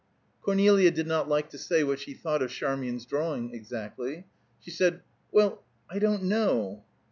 Cornelia did not like to say what she thought of Charmian's drawing, exactly. She said, "Well, I don't know."